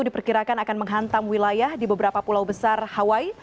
diperkirakan akan menghantam wilayah di beberapa pulau besar hawaii